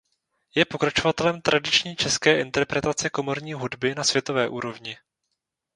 Je pokračovatelem tradiční české interpretace komorní hudby na světové úrovni.